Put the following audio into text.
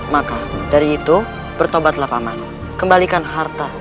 maka dari itu bertobatlah paman kembalikan harta